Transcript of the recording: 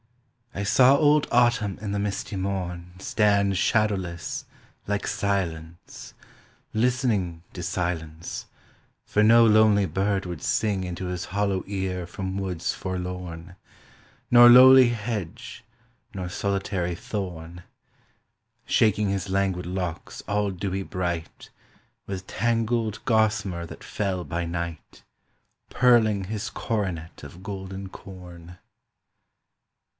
I saw old Autumn in the misty morn Stand shadowless like Silence, listening To silence, for no lonely bird would sing Into his hollow ear from woods forlorn, Nor lowly hedge nor solitary thorn; Shaking his languid locks all dewy bright With tangled gossamer that fell by night, Pearling his coronet of golden corn.